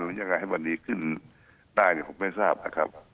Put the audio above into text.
หรือยังไงให้วันนี้ขึ้นใต้ผมไม่ทราบนะครับ